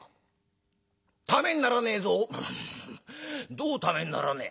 「どうためにならねえ？」。